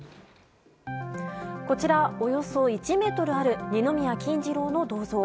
こちら、およそ１ｍある二宮金次郎の銅像。